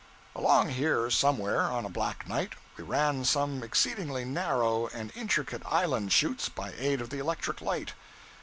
Along here, somewhere, on a black night, we ran some exceedingly narrow and intricate island chutes by aid of the electric light.